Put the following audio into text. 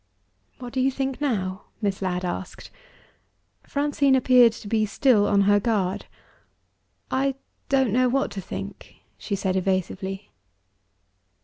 "What do you think now?" Miss Ladd asked. Francine appeared to be still on her guard. "I don't know what to think," she said evasively.